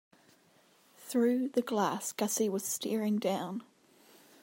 Through the glass, Gussie was staring down.